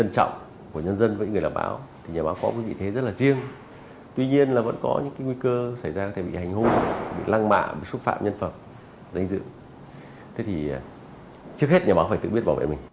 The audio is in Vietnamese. thế thì trước hết nhà báo phải tự biết bảo vệ mình